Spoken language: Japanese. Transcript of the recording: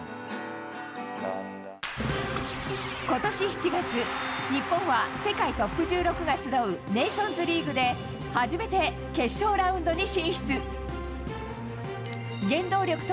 ことし７月、日本は世界トップ１６が集うネーションズリーグで初めて決勝ラウンドに進出。